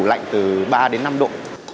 bảo quản trong tủ lạnh từ ba đến năm độ